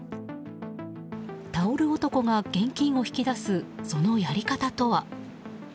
タオル男が現金を引き出すそのやり方とは。